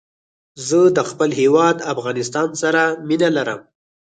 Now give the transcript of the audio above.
زه د خپل هېواد افغانستان سره مينه لرم